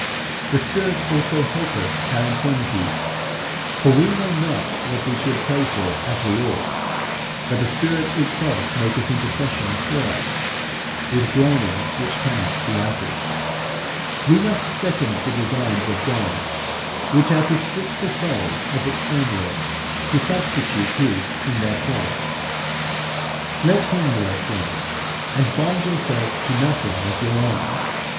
The Spirit also helpeth our infirmities: for we know not what we should pray for as we ought; but the Spirit itself maketh intercession for us, with groanings which cannot be uttered" (Rom. viii. 26, 27). We must second the designs of God, which are to strip the soul of its own works, to substitute His in their place. Let Him work then, and bind yourself to nothing of your own.